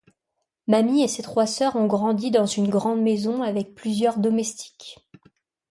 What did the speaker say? Mamie et ses trois sœurs ont grandi dans une grande maison avec plusieurs domestiques.